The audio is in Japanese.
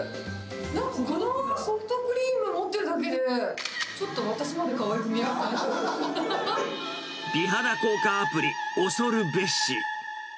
なんか、このソフトクリーム持ってるだけで、ちょっと私までかわ美肌効果アプリ、恐るべし。